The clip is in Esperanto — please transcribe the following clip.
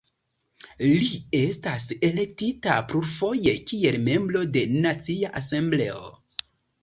Li estas elektita plurfoje kiel Membro de Nacia Asembleo.